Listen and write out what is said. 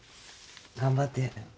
頑張って。